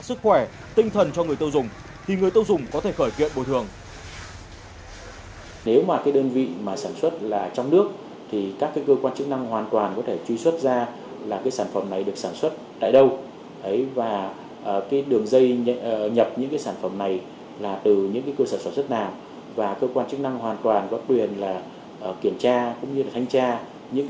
sức khỏe tinh thần cho người tiêu dùng thì người tiêu dùng có thể khởi kiện bồi thường